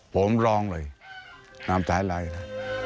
ผมร้องเลยนำตายเลยนะ